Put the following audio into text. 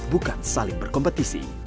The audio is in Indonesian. bukan saling berkompetisi